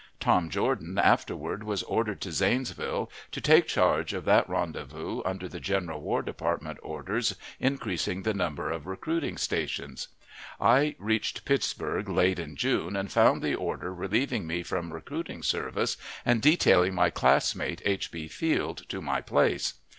Tom Jordan afterward was ordered to Zanesville, to take charge of that rendezvous, under the general War Department orders increasing the number of recruiting stations. I reached Pittsburg late in June, and found the order relieving me from recruiting service, and detailing my classmate H. B. Field to my place.